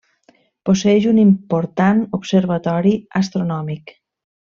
Posseeix un important observatori astronòmic.